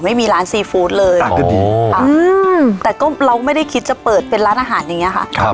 ไม่มีร้านซีฟู้ดเลยร้านก็ดีแต่ก็เราไม่ได้คิดจะเปิดเป็นร้านอาหารอย่างนี้ค่ะ